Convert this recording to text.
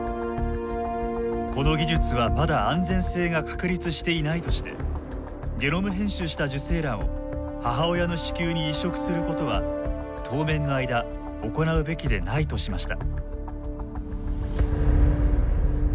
この技術はまだ安全性が確立していないとしてゲノム編集した受精卵を母親の子宮に移植することは当面の間行うべきでないとしました。